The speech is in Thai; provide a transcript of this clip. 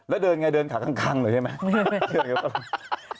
แล้วเดินไงเดินขาข้างเลยใช่ไหม